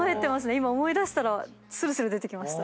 今思い出したらするする出てきました。